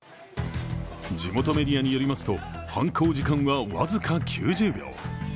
地元メディアによりますと、犯行時間は僅か９０秒。